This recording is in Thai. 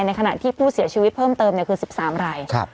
ในขณะที่ผู้เสียชีวิตพิกษ์เพิ่มเติมเนี่ยคือ๑๓ไร่